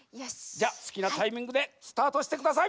じゃすきなタイミングでスタートしてください！